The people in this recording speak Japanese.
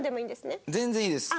全然いいです。